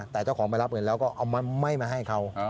แต่เจ้าของไปรับเงินแล้วก็เอาไม่มาให้เขา